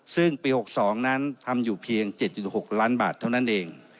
ซึ่งปี๖๒นั้นทำอยู่เพียง๗๖ล้านบาทเท่านั้นเอง